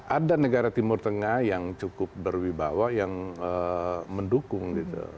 ada negara timur tengah yang cukup berwibawa yang mendukung gitu